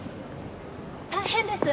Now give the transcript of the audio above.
大変です！